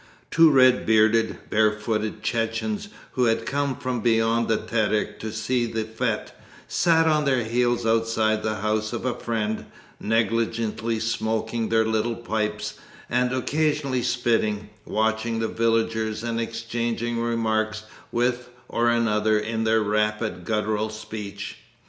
Two red bearded, barefooted Chechens, who had come from beyond the Terek to see the fete, sat on their heels outside the house of a friend, negligently smoking their little pipes and occasionally spitting, watching the villagers and exchanging remarks with one another in their rapid guttural speech.